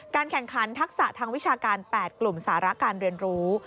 แข่งขันทักษะทางวิชาการ๘กลุ่มสาระการเรียนรู้